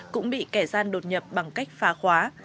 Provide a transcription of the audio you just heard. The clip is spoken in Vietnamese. cũng bị kẻ gian đột nhập bằng cách phá khóa